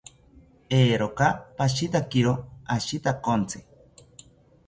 Eeroka pashitakiro ashitakontzi